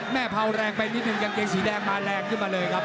เผาแรงไปนิดนึงกางเกงสีแดงมาแรงขึ้นมาเลยครับ